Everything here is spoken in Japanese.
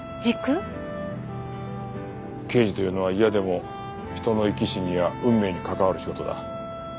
刑事というのは嫌でも人の生き死にや運命に関わる仕事だ。